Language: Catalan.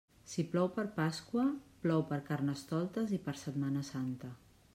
Si plou per Pasqua, plou per Carnestoltes i per Setmana Santa.